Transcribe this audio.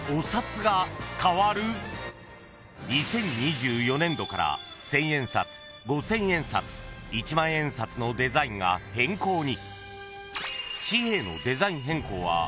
［２０２４年度から千円札五千円札一万円札のデザインが変更に］